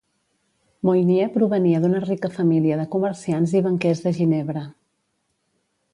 Moynier provenia d'una rica família de comerciants i banquers de Ginebra.